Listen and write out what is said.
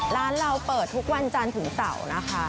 ร้านเราเปิดทุกวันจันทร์ถึงเสาร์นะคะ